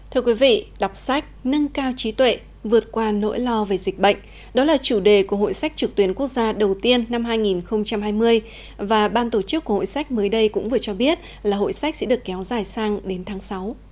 thưa quý vị đọc sách nâng cao trí tuệ vượt qua nỗi lo về dịch bệnh đó là chủ đề của hội sách trực tuyến quốc gia đầu tiên năm hai nghìn hai mươi và ban tổ chức của hội sách mới đây cũng vừa cho biết là hội sách sẽ được kéo dài sang đến tháng sáu